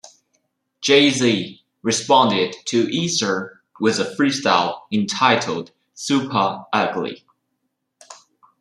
Jay-Z responded to "Ether" with a freestyle entitled "Supa Ugly".